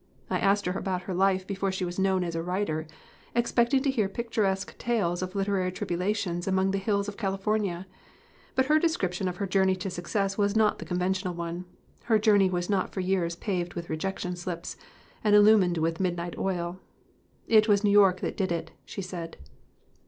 I asked her about her life before she was known as a writer, expecting to hear picturesque tales of literary tribulations among the hills of California. But her descrip tion of her journey to success was not the con ventional one; her journey was not for years paved with rejection slips and illumined with midnight oil. "It was New York that did it," she said.